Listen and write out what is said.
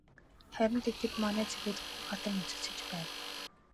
Харин тэгэхэд манай цэргүүд үхэн хатан үзэлцэж байна.